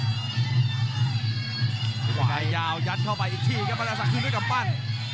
ฤทธิไกรยาวยัดเข้าไปอีกที่ครับประดาษศักดิ์ขึ้นด้วยกับปั้น